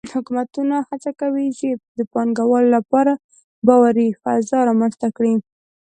حکومتونه هڅه کوي چې د پانګهوالو لپاره باوري فضا رامنځته کړي.